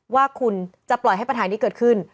ว่าคุณจะปล่อยให้ปัญหานี้เกิดขึ้น